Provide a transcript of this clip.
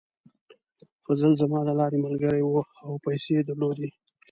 فضل زما د لارې ملګری و او پیسې یې درلودې.